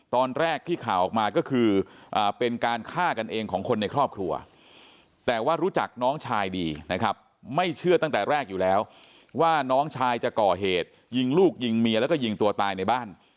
ตอนแรกที่ข่าวออกมาก็คือเป็นการฆ่ากันเองของคนในครอบครัวแต่ว่ารู้จักน้องชายดีนะครับไม่เชื่อตั้งแต่แรกอยู่แล้วว่าน้องชายจะก่อเหตุยิงลูกยิงเมียแล้วก็ยิงตัวตายในบ้าน